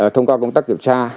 thông qua công tác kiểm tra